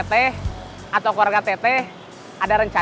maaf aku udah mau terlambat